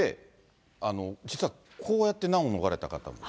実はこうやって難を逃れた方もいると。